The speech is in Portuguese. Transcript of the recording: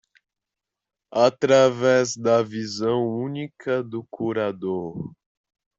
Através da visão única do curador